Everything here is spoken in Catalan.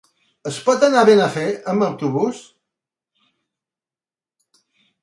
Es pot anar a Benafer amb autobús?